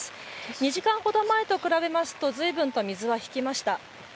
２時間ほど前と比べますとずいぶんと水は引きました。